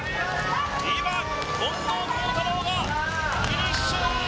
今近藤幸太郎がフィニッシュ！